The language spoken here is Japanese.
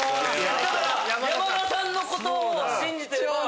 山田さんのことを信じてれば。